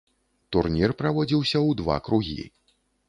Турнір праводзіўся ў два кругі.